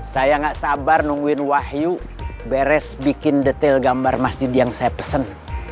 saya gak sabar nungguin wahyu beres bikin detail gambar masjid yang saya pesen